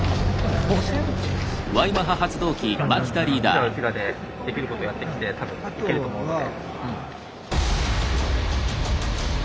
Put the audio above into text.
うちらはうちらでできることやってきて多分いけると思うので。